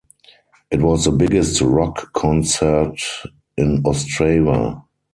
It was the biggest rock concert in Ostrava.